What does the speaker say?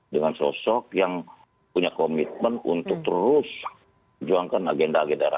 dengan sosok yang punya komitmen untuk terus juangkan agenda agenda rakyat